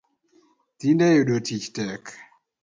Tinde yudo tich tek